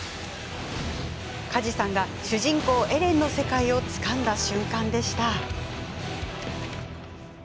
梶さんが主人公、エレンの世界をつかんだ瞬間でした。